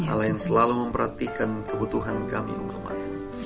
alayma yang selalu memperhatikan kebutuhan kami umat umat